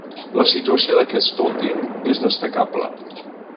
La situació d’aquest últim és destacable.